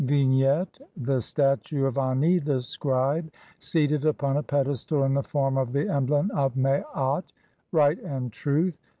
] Vignette : The statue of Ani, the scribe, seated upon a pedestal in the form of the emblem of Maat (;'. e., right and truth).